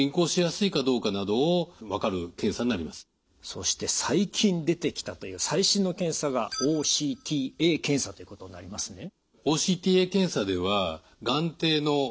そして最近出てきたという最新の検査がＯＣＴＡ検査ということになりますね。